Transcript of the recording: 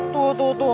tuh tuh tuh